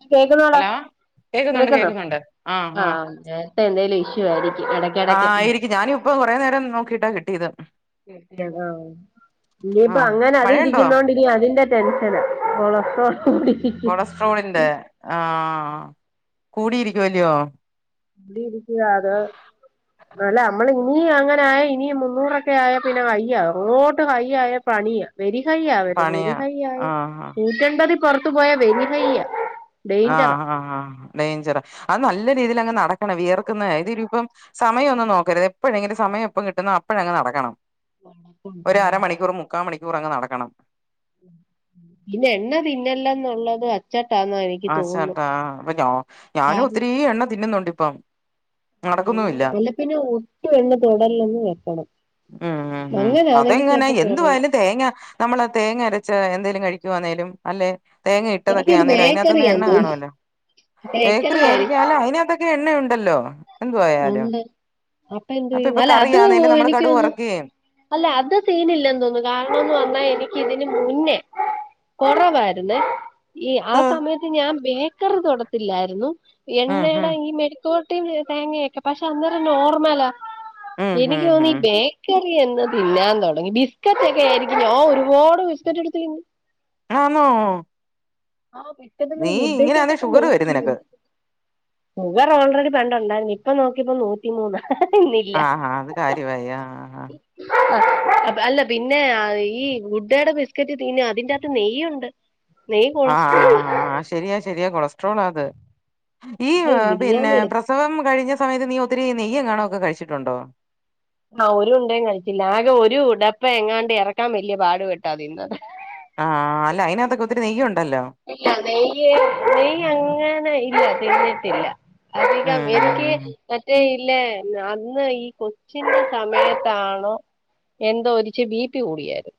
നീ കേക്കുന്നോടാ ഹലോ കേക്കുന്നോ. ആഹ് നേരത്തെ എന്തേലും ഇഷ്യൂ ആയിരിക്കും എട.. ആയിരികും. ഞാനിപ്പം കൊറെ നേരം നോക്കിയിട്ടാ കിട്ടിയത് കിട്ടിയേ ആ ഇനിയിപ്പ ആഹ് അങ്ങനെ അത് മഴയുണ്ടോ ഇരിക്കുന്നോണ്ട്നി അതിന്റെ. ടെൻഷന കൊളസ്‌ട്രോൾ കൂടി കൊളസ്ട്രോളിന്റെ ആഹ് കൂടിയിരിക്കുവല്ലിയോ വെറുതെ ഇരിക്ക്കാ അതോ അല്ല അമ്മള് ന്യും അങ്ങനായ ഇനിയും മുന്നൂറൊക്കെ ആയാ പിന്നെ വയ്യ, റോട്ട് വയിയായ പണിയ വെരിഹൈ്യ അവരത് പണിയാ വെരിഹൈയ്യായി ആഹ് നൂറ്റാമ്പതി പൊറത്തു പോയാ വെരി ഹൈയ്യ ആഹ് ആഹ് ആഹ് ഡേയ്ഞ്ചറ അത് നല്ല രീതിലങ്ങ് നടക്കണ, വിയർക്കുന്ന ഏത് രൂപ്പം.. സമയ ഒന്നും നോക്കരുത്. എപ്പഴെങ്കിലും സമയം എപ്പം കിട്ടുന്നൊ അപ്പഴങ്ങ് നടക്കണം ഒരരമണിക്കൂർ മുക്കാ മണിക്കൂറങ്ങ് നടക്കണം പിന്നെ എണ്ണ തിന്നെല്ലന്നുള്ളത് അച്ചട്ടാന്ന എനി ആശാട്ടാ അപ്പൊ ഞാ ഞാനും കാരണം ഒത്തിരി എണ്ണ തിന്നുന്നുണ്ട് ഇപ്പ അല്ലെ പിന്നെ ഒട്ടും എണ്ണ തൊടല്ലൊന്ന് വെക്കണം ഉം ഉം ഉം അങ്ങനാണെങ്കി അതെങ്ങനെ ചെലപ്പോ കൊറയും എന്തുവായാലും തേങ്ങ നമ്മള് തേങ്ങ അരച്ച് എന്തേലും കഴിക്കുവാന്നേലും അല്ലെ തേങ്ങ ഇട്ടതൊക്കെ എനിക്കത് ആന്നേലും അയ്നാ ത്ത്ന്ന് എണ്ണ ബേക്കറിയാന്ന് തോന്നുന്നു കാണുമല്ലോ. ബേക്കറി ആയിരിക്കാലോ അയിനകത്തൊക്കെ എണ്ണയുണ്ടല്ലോ എന്തുവായാലും ഉണ്ട്. അപ്പ എന്ത് അപ്പൊ ചെയ്യും ഇപ്പൊ അല്ല അത് കറിയാന്നേലും നമ്മള് എനിക്ക് കടുക് തോനുന്നു വറക്കുകയും അല്ല അത് ഫീലില്ലന്ന് തോന്നുന്നു. കാരണംന്ന് പറഞ്ഞാ എനിക്ക് ഇതിന് മുന്നേ.. കൊറവായിരുന്നെ ഈ ആഹ് ഉം സമയത്ത് ഞാൻ ബേക്കറി തൊടത്തില്ലായിരുന്നു. എണ്ണയുടെ ഉം ഈ മെടിക്കോട്ടിം യെ തേങ്ങൊയൊക്കെ. പക്ഷെ അന്നേരം നോർമല, ഉം ഉം എനിക്ക് തോനുന്നു ഈ ഉം ബേ ക്കറി എന്ന് തിന്നാൻ തുടങ്ങി. ബിസ്ക്കറ്റ് ഒക്കെ ആയിരിക്കും. ഞാ ഒരുപാട് ബിസ്ക്കറ്റ് എടുത്ത് തിന്നും ആന്നോ ആഹ് പിറ്റെന്ന് ഇങ്ങള് നീ വുഡ്‌ക്കെ ഇങ്ങനെയാന്നേ ആയിറ്റൊക്കെ ഷുഗർ വരും നോക്കിന്ന്.. നിനക്ക് ഷുഗർ ഓൾറെഡി പണ്ട്ണ്ടായിരുന്നു. ഇപ്പൊ നോക്കിപ്പോ നൂറ്റിമൂന്ന [unintelligible] ആഹാ അത് കാര്യവായി ആഹ് അല്ല പിന്നെ ഈ ഗുഡ്ടെ യുടെ ബിസ്കറ്റ് തിന്നും. അതിന്റകത്ത് നെയ്യുണ്ട് നെയ്യ് ആഹ് കൊളസ്ട്രോൾ ആഹ് ആാാാാ ശരിയാ ശരിയാ കൊളസ്ട്രോളാത്. ഈ അതെ പിന്നെ മിനിഞ്ഞാന്ന് എടു പ്രസ് സവം കഴിഞ്ഞ സമയത്ത് നീ ഒത്തിരി നെയ്യെങ്ങാണൊക്കെ കഴിച്ചിട്ടുണ്ടോ? ആഹ് ഒരു ഉണ്ടയും കഴിച്ചില്ല. ആകെ ഒരു ഡപ്പ എങ്ങാണ്ട് എറക്കാൻ വല്യ പാട് പെട്ടതീന്ന് ആഹ് അല്ല അയ്നാതൊക്കെ ഒത്തിരി നെയ്യുണ്ടല്ലോ ഇല്ല. നെയ്യ്.. നെയ്യങ്ങനെ ഇല്ല തിന്നിട്ടില്ല അധികം ഉം എനിക്ക് ഉം മറ്റേ ഇല്ലേ അന്ന് ഈ കൊച്ചിന്റെ സമയത്താണോ എന്തോ ഒരിച്ച് ബി പി കൂടിയാരുന്നു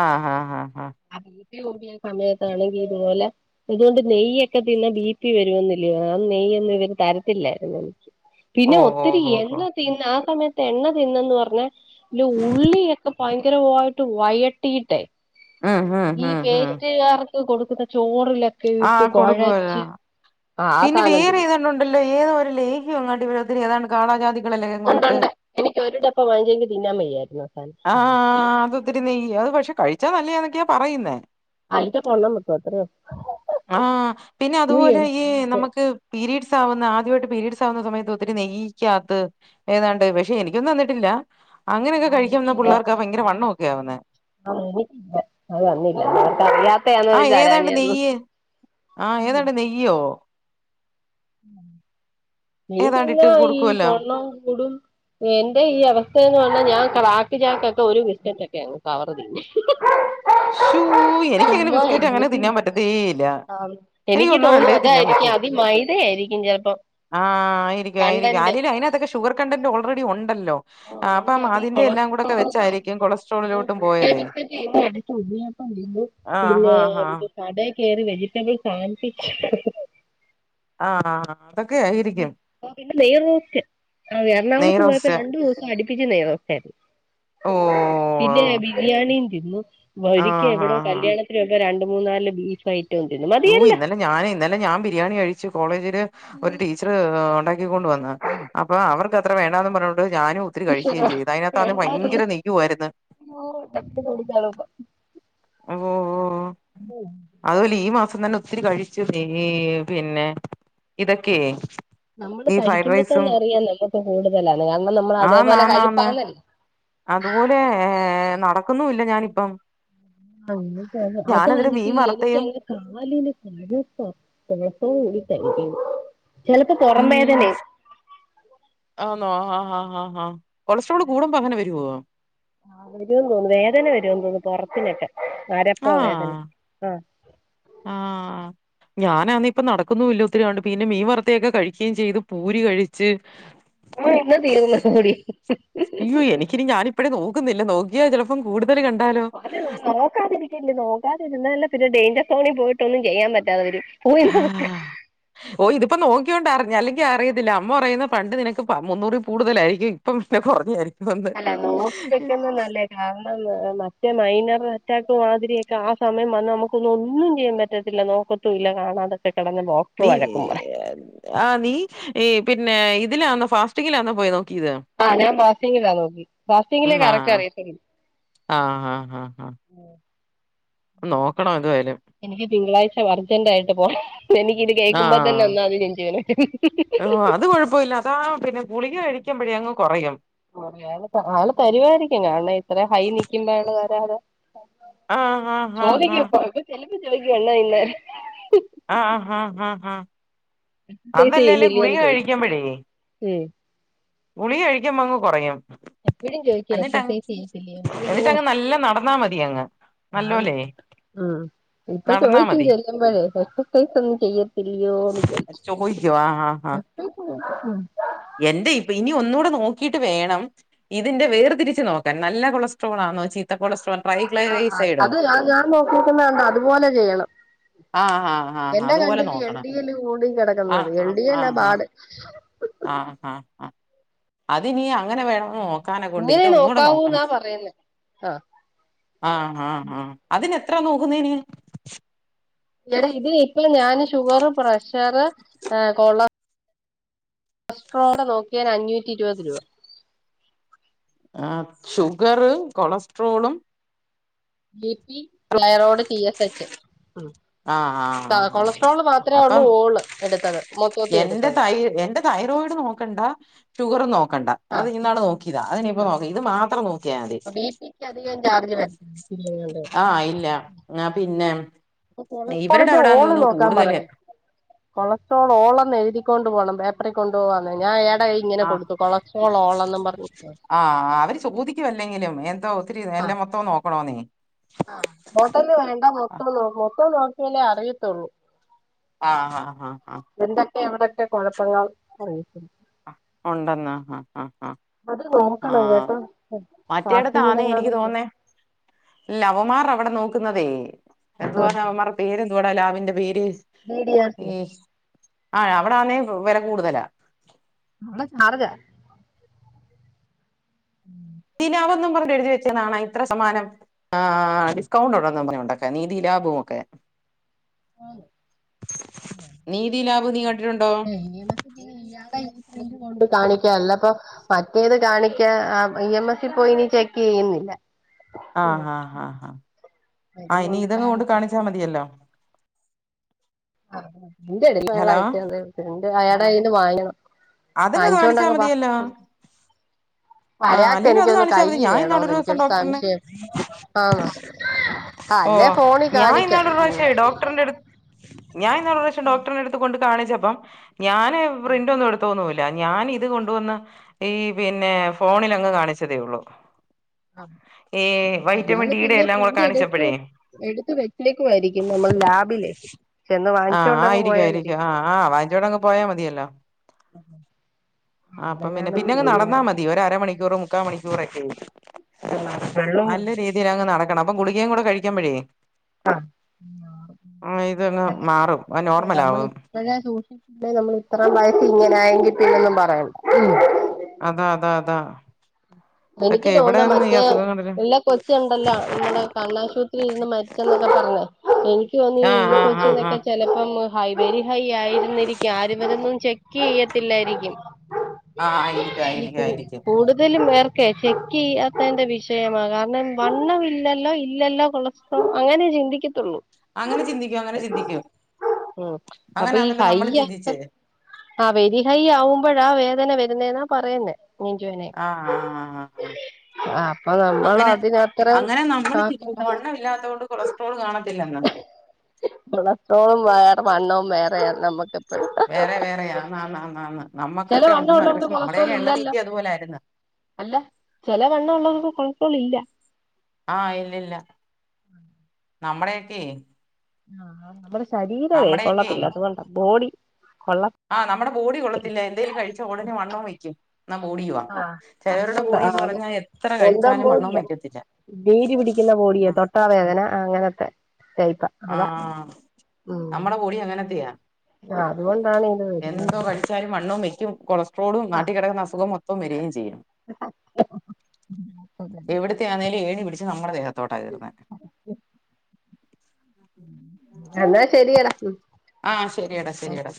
ആഹ് ഹാ ഹാഹാ അ ബീ പി കൂടിയ സമയത്താണെങ്കീ ഇതുപോലെ അതുകൊണ്ട് നെയ്യൊക്കെ തിന്ന ബി പി വരുമെന്നില്ലയോ ആ നെയ്യൊന്നും ഇവര്‌ തരത്തില്ലായിരുന്നന്ന് [inaudible] പിന്നെ ഒത്തിരി ഓഹ് ഓഹ് എണ്ണ ഓഹ് തിന്ന ആ സമയത്ത് എണ്ണ തിന്നന്ന് പറഞ്ഞാ ല്ലോ ഉള്ളിയൊക്കെ ഭയങ്കര വായിട്ട് വയട്ടിട്ടെ ഉം ഉം ഈ ഉം ഉം പേറ്റുകാർക്ക് കൊടുക്കുന്ന ചോറിലെ ക്കെ യിട്ട് ആഹ് കൊടുക്കുവല്ലോ കോഴച്ച് ആ ആ സാധനം തിന്ന ണ്ടല്ലോ ഏതോ ഒരു ലേഹിഎങ്ങണ്ട് ഒത്തിരി ഏതാണ്ട് കാനാജാതികളല്ലാം കൂടിയിട്ട് ഉണ്ടുണ്ട് എനിക്ക് ഒരു ടപ്പം വാങ്ങിയെങ്കി തിന്നാൻ വയ്യായിരുന്നു സാധനം ആഹ അതൊത്തിരി നെയ്യ അത് പക്ഷെ കഴിച്ചാ നല്ലന്നൊക്കെയാ പറയുന്നേ അഞ്ച് [unintelligible] കിട്ടും അത്ര ഉള്ളു ആഹ പിന്നെ അതുപോലെ ഈ നമുക്ക് പീരീഡ്സ് ആവുന്ന ആദ്യവായിട്ട് പീരീഡ്സ് ആവുന്ന സമയത്ത് ഒത്തിരി നെയ്യിക്കാത്ത് ഏതാണ്ട് പക്ഷെ എനിക്കൊന്നും തന്നിട്ടില്ല അങ്ങനെയൊക്കെ കഴിക്കൻന്ന പിള്ളേർക്കാ ഭയങ്കര വണ്ണം ഒക്കെ ആവുന്നെ [unintelligible] അത് തന്നില്ല അവർക്കറിയാത്തെആയിരുന്നു തരാഞെ ആഹ ഏതാണ് നെയ്യോ നെയ് ഏതാണ്ടിട്ട് പിന്നെ ഈ കൊടുക്കുവല്ലോ പൊണ്ണോ കൂടും എന്റെ ഈ അവസ്ഥയന്ന് പറഞ്ഞാ ഞാൻ ക്രാക്ക് ചാക്കൊക്കെ ഒരു ബിസ്ക്കറ്റ് ഒക്കെആണ് പവറതി [unintelligible] ശൂ എനിക്കങ്ങനെ ചുമ്മാ ബിസ്ക്കറ്റ് അങ്ങനെ ഇരുന്നിട്ട് തിന്നാൻ പറ്റത്തേ ഇല്ല ആ എനിക്ക് ഒന്നോ തോന്നും രണ്ടേ തിന്നാൻ അതായിരിക്കും പറ്റൂ മൈദയായിരിക്കും ചിലപ്പോം കണ്ടൻ്റ് അതിനത്തൊക്കെ ഷുഗർ കണ്ടന്റ് ഓൾറെഡി ഒണ്ടല്ലോ ആ അതുകൊണ്ട് അപ്പം അതീ അതിന്റെ എല്ലാം കൂടെക്കെ കൊളസ്ട്രോൾ ബാധിക്കും. വെച്ചായിരിക്കും കൊളസ്ട്രോളിലോട്ടു പോയത് [unintelligible] ആഹ് പിന്നെ ഹാ ഹാ എന്ത് കട കയറി വെജിറ്റബിൾ സാൻവിച്ച് ആഹ ആ തക്കൊയി അപ്പോ പിന്നെ നെയ്റോസ്റ്റ് ആ എറണാകുളത്ത് പോയപ്പോ നെയ്റോസ്റ്റ് രണ്ടു ദിവസം അടിപ്പിച്ച് നെയ്റോസ്റ്റായിരുന്നു ഓ പിന്നെ ബിരിയാണിയും തിന്നു ഒരിക്കെ ആഹ് ഹാ എവിടെയോ ഹാ കല്യാണത്തിന് പോയപ്പോ രണ്ട് മൂന്നാല് ബീഫ് ഫ്രൈ ഓ ഇന്നലെ ഞാന് ഇന്നലെ ഞാൻ ബിരിയാണി കഴിച്ചു കോളേജില് ഒരു ടീ ച്ചറ് ഉണ്ടാക്കിക്കൊണ്ട് വന്ന അപ്പൊ അവർക്ക് അത്ര വേണ്ടാന്ന് പറഞ്ഞൊണ്ട് ഞാനും ഒത്തിരി കഴിക്കുകയും ചെയ്തു അതിനകത്ത് അന്നെ ഭയങ്കര നെയ്യ് വായിരുന്നു [unintelligible] ഓ ഓ ഓ അതുല്ലാ ഈ മാസം തന്നെ ഒത്തിരി കഴിച്ചു ഈ പിന്നെ ഇതൊക്കെ നമ്മള് കഴിക്കുമ്പോ തന്നെ അറിയാലോ ഇതൊക്കെ കൂടുതലാണ് അന്ന് നമ്മള് ആന്ന് അതേപോലെ ആന്ന് ആന്ന് കഴിപ്പാണല്ലോ അതുപോലെ നടക്കുന്നുല്ല ഞാനിപ്പം അങ്ങനെ തന്നെ ഞാനതിന് മീൻ അതായിരിക്കും എനിക്ക് വറുത്തയും [unintelligible] കാലിന് [unintelligible] ചെലപ്പോ പൊറം ഉം വേദനെയാ. ആന്നോ ഹ ഹാ ഹാ ഹാ കൊളസ്ട്രോള് കൂടുമ്പോ അങ്ങനെ വെരോ. ആ വരോന്നു തോന്നു വേദന വരോന്ന് തോന്നു പൊറത്തിനൊക്കെ അരപ്പോ വേദന ആ. ആഹ് ഞാനാന്നെ പ്പ നടക്കുന്നുല്ല ഒത്തിരിയാണ്ട് പിന്നെ മീൻ വറുത്തേക്കെ കഴികേം ചെയ്തു. പൂരി കഴിച്ച്. ആ ഇന്ന് തീർന്നുതൂടി മ്മ്. യ്യേ എനിക്കിനി ഞാനിപ്പഴെ നോക്കുന്നില്ല നോക്കിയാ ചിലപ്പം കൂടുതല് കണ്ടാലോ. നോക്കതിരി നോക്കാതിരുന്നാലാ പിന്നെ ഡേഞ്ചർ സോണിൽ പോയിട്ടൊന്നും ചെയ്യാൻ പറ്റാതെവരും പോയി നോക്. ആ ഓ ഇതിപ്പോ നോക്യോണ്ടറിഞ്ഞ് അല്ലെങ്കി അറിയത്തില്ല അമ്മ പറയുന്ന് പണ്ട് നിനക്ക് പ മുന്നൂറിൽ കൂടുതലായിരിക്കു. ഇപ്പം ന്നെ കൊറഞ്ഞെ ആയിരിക്കും അല്ല നോക്കി വെക്കുന്നെ നല്ലെ. കാരണംന്ന മറ്റേ മൈനർ അറ്റാക്ക് മാതിരിയൊക്കെ ആ സമയം വന്ന നമുക്കൊന്നൊന്നും ചെയ്യാൻ പറ്റത്തില്ല നോ. ക്കത്തൂല്ല കാണാതെ ക്കട്ടെ [unintelligible] നീ ഏഹ്. ആഹ്, നീ ഈ പിന്നെ ഇതിലാന്നൊ ഫാസ്റ്റിങ്ങിലാന്നോ പോയി നോക്കീത്. ആഹ്, ഞാൻ ഫാസ്റ്റിങ്ങിലാ നോക്കി. ഫാസ്റ്റിങ്ങിലേ കറക്ട് അറിയത്തൊ [unintelligible] ആഹ് ഹ ഹ ഹ. ന്നു നോക്കണോം എതുവയാലും. എനിയ്ക്ക് തിങ്കളാഴ്ചവർജന്റായിട്ട് പോ [unintelligible] എനിയ്ക്കിത് ആ കേക്കുമ്പോ തന്നെ ഒന്നാന് നെഞ്ച് വേന [unintelligible] രും. ത് കൊഴപ്പോ ഇല്ല അതാ പിന്നെ. ഗുളിക കഴിക്കുമ്പഴേ അങ്ങ് കൊറയും. ഓഹ്, ഞാനിപ്പോ ആള് തരിവാരിക്കും. ഞാനിത്ര ഹൈ നിൽക്കുമ്പോള് വെരാതെ ആ [unintelligible] ആ ആ ആ ചോദിയ്ക്കും. [unintelligible] ചെലപ്പൊ ചേയിക്കും [unintelligible] ആഹ് ആഹ് ഹാ ഹാ എക്സസൈസ് അതല്ലേലും ഗുളിക ചെയ്യുന്നില്ലയോന്ന് ചോദിക്കും കഴികുമ്പഴേയ്. ഉം. ഗുളിക കഴിയ്ക്കുമ്പങ്ങ് കൊറയും. എപ്പഴും ചോയ്ക്കും എസസൈസെയ്യത്തില്ലേന്ന്. വോഹ്. എന്നിട്ടങ്ങ് നല്ല നടന്നാ മതി അങ്ങ് നല്ലോലേ [unintelligible] ഉം. പ്പൊ നടന്നാ ചോയ്ക്കും മതി ചെല്ലുമ്പഴേ എസസൈസ് ഒന്നും ചെയ്യ ഇല്ല്യോന്ന് ചോയിച്ച് ചോദിക്കോ ആ ആ ആ ഉം ഉം ഉം ഉം. എന്റെ യിപ്പൊ ഇനി ഒന്നൂടെ നോക്കീട്ട് വേണം. ഇതിന്റെ വേർതിരിച്ച് നോക്കാൻ നല്ല കൊളസ്ട്രോളാന്നോ ചീ ത്ത കൊളസ്ട്രോ ആ [unintelligible] ആഹ് ആഹ് അത് ഞാൻ ഞാൻ നോക്കിക്കുന്ന അത്പോലെ ചെയ്യണം. ആ ആ ആ എന്റെ അതുപോലെ കണ്ടില് എൽ നോക്കണം ഡി എല് കൂടി കെടക്ക്ന്നത്. എൽ ഡി എല്ലാ ബാട്. ആഹ്, ആഹ്, ആഹ്. അതിനീ അങ്ങനെ വേണന്ന് നോക്കാനെ കൊണ്ട് ഇങ്ങനെ ഇതൊന്നൂടെ നോക്കണം. നോക്കാവൂന്നാ പറയുന്നേ ആഹ് ആഹ്, ആഹ്, ആഹ് അതിനെത്രാ നോക്കുന്നേ നീ. എടി, ഇത് ഇപീ ഞാന് ഷുഗറ് പ്രഷറ് ഹ് കൊള കൊസ്‌ട്രോള് നോക്കിയേന് അഞ്ഞൂറ്റിരുപത് രൂപ. ആഹ്, ഷുഗറ് കൊളസ്ട്രോളും. B P, thyroid, C S H. ആ ആ താ ആ കൊളസ്ട്രോള് മാത്രേള്ളൂ അപ്പം ഓള് എട്ത്ത. എന്റെ തൈ എന്റെ തൈറോയിഡ് നോക്കണ്ട. ഷുഗറും നോക്കണ്ട. അത് ഇന്നാള് നോ ക്കിതാ. അതിനിപ്പോ ആഹ് ഇത് മാതറം നോ ക്യാതി. ബി പിക്ക് അധികം ചാർജ് വരത്തില്ല ആഹ്, ഇല്ല ഞാ പിന്നെ. ഇവരുടെ കൊളസ്‌ട്രോളിന്റെ അവിടാന്ന് ഓള് തോന്നുന്നു കൂടുതല് നോക്കാമ്പറഞ്ഞ്. കൊളസ്ട്രോള് ഓളെന്നെഴുതി കൊണ്ട് പോണം. പേപ്പറി കൊണ്ടോവാന്ന് ഞാ ഏട ഇ ഇങ്ങനെ ആഹ് കൊടുത്തു. കൊളസ്ട്രോളോളെന്നും പറഞ്ഞ്. ആഹ്, അവര് ചോദിയ്ക്കും അല്ലെങ്കിലും, എന്തോ ഒത്തിരി എല്ലാം മൊത്തോം നോക്കണോന്നേ. ആഹ്, ഹോട്ടല് വേണ്ട മൊത്തം നോ മൊത്തം നോക്കിയാലേ അറിയത്തൊള്ളൂ. ആഹ്, ആഹ്, ആഹ്. എന്തക്കെ എവിടക്കെ കൊഴപ്പങ്ങൾ നിക്കറിയത്തില്ല. ഒണ്ടെന്നാ ആഹ്, ആഹ്, ആഹ് അത് നോക്കണം ആഹ്, ഹ കേട്ടോ മറ്റേടത്താന്നേ എനിയ്ക്ക് ഫാസ്റ്റിങ്ങിലെങ്ങാനും തോന്നേ ലവമാർ അവടെ നോക്കുന്നതേ എന്തുവാനവമ്മാറ് പേരെന്തുവാടാ ലാബിന്റെ പേര്. ഉം ആഹ്, അവിടാന്നേ വെല കൂട്തലാ. നല്ല ചാറ്ജ്ജാ ദിനാവെന്നും പറഞ്ഞെഴ്തി വെച്ചേനാണാ ഇത്ര സമാനം ആഹ് ഡിസ്കൗണ്ട് ഉണ്ടെന്നും പറഞ്ഞൊണ്ടൊക്കെ നീതി ലാബും ഓക്കെ. നീതി ലാബ് നീ കണ്ടിട്ടുണ്ടോ [inaudible] ണ്ട് കാണിക്ക അല്ലപ്പൊ മറ്റേത് കാണിക്കാ ഇ എം എസ് പോയി ഇനി ചെക്ക് ചെയ്യുന്നില്ല ആഹ് ആഹ് ആഹ് ഇത് ആഹ് ഇനി ഇതങ്ങ് കൊണ്ട് കാണിച്ചിട്ട് കാണിച്ചാ മതിയല്ലോ ആ എന്റെ ഇടും ഹലോ മളട്ടണ്ട് [unintelligible] അയാടെ കൈയ്യിൽ നിന്നും വാങ്ങണം അതങ്ങ് വാങ്ങിച്ചോണ്ടങ്ങ് പാം ആഹ് അല്ലെലും അത് കാണിച്ചാൽ കൈ മതി ഞാൻ വേണോന്ന് ഇന്നാളൊരു ദിവസം എനിക്കൊരു ഡോക്ടറിനെ സംശയം ആണോ ആ ഓ അല്ലേ ഫോണിൽ ഞാൻ കാണിക്കാം ഇന്നാള് ഒരു പ്രാവശ്യം ഡോക്ടറിന്റെ അടുത് ഞാൻ ഇന്നാൾ ഒരു പ്രാവശ്യം ഉം ഡോക്ടറിന്റെ അടുത്ത് കൊണ്ട് കാണിച്ചപ്പം ഞാന് ഉം പ്രിന്റ് ഒന്നും എടുത്തോന്നുമില്ല ഞാൻ ഇത് കൊണ്ടുവന്ന് ഈ പിന്നെ ഫോണിൽ അങ്ങ് കാണിച്ചതേ ഉള്ളു ആഹ് അയാള് പിന്നെയും എല്ലാം കൂടെ പ്രിന്റ് എടുത്ത് കാണിച്ചപ്പോഴേ എടുത്ത് വെച്ചേക്കുവായിരിക്കും നമ്മൾ ലാബില് ആഹ് ആയിരിക്കും ആയിരിക്കും ആഹ് ആഹ് വാങ്ങിച്ചോണ്ടങ്ങ് പോയാ മതിയല്ലോ ആഹ് അപ്പം പിന്നെ അങ്ങനെങ്ങാനും പിന്നെങ്ങ് നടന്നാ മതി ഒരു അരമണിക്കൂറ് മുക്കാ മണിക്കൂറ് ഒക്കെ വെള്ളവും നല്ല രീതി തീലങ്ങ് നടക്കണം അപ്പൊ ഗുളികയും കൂടെ കഴിക്കുപ്പോഴേ ആ ആഹ് ഇതൊന്ന് മാറും ആ നോർമൽ ആവും ഇപ്പോഴേ സൂക്ഷിച്ചില്ലെങ്കി നമ്മൾ ഇത്രയും പ്രായത്തിൽ നമ്മൾ ഇങ്ങനെ ആയെങ്കിൽ പിന്നൊന്നും പറയണ്ട അതാ അതാ അതാ എനിക്ക് ഇതൊക്കെ തോന്നു എവിടെന്ന് ഈ മറ്റേ അസുഖങ്ങളില് ഇല്ല കൊച്ചുണ്ടല്ലോ നമ്മുടെ കണ്ണാശുപത്രി ഇരുന്ന് മരിച്ചെന്നൊക്കെ പറഞ്ഞേ എനി ക്ക് തോന്നി ആഹ് ഈ ആഹ് ആഹ് ആഹ് കൊച്ചിനൊക്കെ ചെലപ്പം ഹൈ വെരി ഹൈ ആയിരുന്നിരിക്കും ആര് ഇവരൊന്നും ചെക്ക് ചെയ്യത്തില്ലായിരിക്കും ആഹ് ആയിരിക്കും ആയിരിക്കും ആയിരിക്കും കൂടുതലും പേർ ക്കെ ചെക്ക് ചെയ്യാത്തതിന്റെ വിഷയമാണ് കാരണം വണ്ണമില്ലല്ലോ ഇല്ലല്ലോ കൊള അങ്ങനെ ചിന്തിക്കത്തുള്ളൂ അങ്ങനെ ചിന്തിക്കും അങ്ങനെ ചിന്തിക്കും ഉം അപ്പൊ ഈ അങ്ങനാന്നല്ലോ നമ്മള് ഹൈയ ചിന്തിച്ചേ ആ വെരി ഹൈ ആവുമ്പോഴാ വേദന വരുന്നെന്നാ പറയുന്നേ നെഞ്ചുവേനെ ആഹ് ആഹ് ആഹ് ആഹ് അപ്പൊ നമ്മൾ അങ്ങനെ അതിനത്രേം അങ്ങനെ നമ്മൾ ആക്കണ്ട വണ്ണമില്ലാത്ത തോണ്ട് കൊളസ് ട്രോൾ കാണത്തില്ല കൊളസ്ട്രോളും വേറെ വണ്ണവും വേറെയാ നമ്മുക്ക് വേറെ വേറെയാ ആന്ന് ആന്ന് ആന്ന് ചില നമ്മുക്കൊക്കെ വണ്ണം ഉണ്ടന്ന് ഉള്ളവർക്ക് പക്ഷെ കൊളസ്ട്രോൾ നമ്മുടെയൊക്കെ എണ്ണ ഇല്ലല്ലോ തീറ്റി അതുപോലെ ആരുന്ന് അല്ല ചിലവണ്ണമുള്ളവർക്ക് കൊളസ്ട്രോൾ ഇല്ല ആഹ് ഇല്ലില്ല നമ്മുടെയൊക്കെ ആ നമ്മുടെ ശരീരമേ നമ്മുടെയൊക്കെ കൊള്ളത്തില്ല അതുകൊണ്ട് ബോഡി കൊള്ള ആഹ് നമ്മളുടെ ബോഡി കൊള്ളത്തില്ല എന്തെലും കഴിച്ചാ ഉടന് വണ്ണവും വയ്ക്കും എന്നാ ബോഡിയുവാ. ആഹ് ചിലവരുടെ അതുകൊണ്ടാ ബോഡി എന്ന് ആഹ് പറഞ്ഞാ എത്ര സ്വന്തം കഴിച്ചാലും വണ്ണവും ബോഡിയാ വയ്ക്കത്തില്ല. നീര് പിടിക്കുന്ന ബോടിയെ തൊട്ടാവേദന അങ്ങനൊത്തെ ടൈപ്പാ അതാ ആഹ് ഉം നമ്മുടെ ബോഡി അങ്ങനത്തെയാ ആഹ് അതുകൊണ്ടാണ് ഇത് വരുന്നത് എന്തോ അല്ലേ കഴിച്ചാലും വണ്ണോം വെക്കും കൊളസ്ട്രോളും ആഹ് നാട്ടീ കൺ അസുഖം മൊത്തോം വരിയേം ചെയ്യും എവിട് ത്തെ ആന്നേലും ഏണി പിടിച്ച് നമ്മുടെദേത്തോട്ടാ കേറുന്നേ എന്നാ ശരിയടാ ആഹ് ശരിയടാ ശരിയടാ